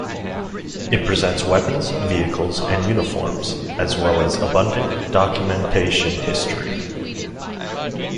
It presents weapons, vehicles and uniforms, as well as abundant documentation history.